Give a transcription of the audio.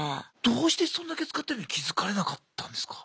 どうしてそんだけ使ってんのに気付かれなかったんですか？